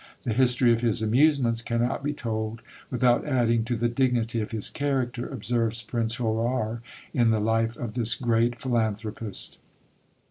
"The history of his amusements cannot be told without adding to the dignity of his character," observes Prince Hoare, in the life of this great philanthropist.